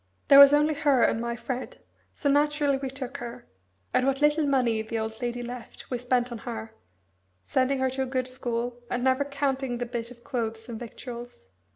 There was only her and my Fred, so naturally we took her, and what little money the old lady left we spent on her, sending her to a good school, and never counting the bit of clothes and victuals.